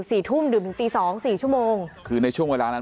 สี่ทุ่มดื่มถึงตีสองสี่ชั่วโมงคือในช่วงเวลานั้น